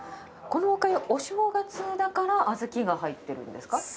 このお粥お正月だから小豆が入ってるんですか？